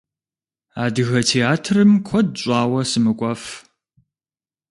Адыгэ театрым куэд щӏауэ сымыкӏуэф.